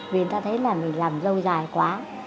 vì người ta thấy là mình làm lâu dài quá